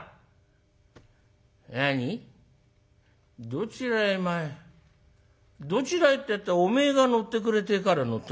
どちらへ参るどちらへってえってお前が乗ってくれってえから乗ったの。